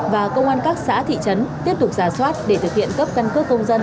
và công an các xã thị trấn tiếp tục giả soát để thực hiện cấp căn cước công dân